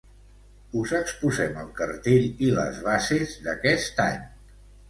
Us exposem el cartell i les bases d'aquest any.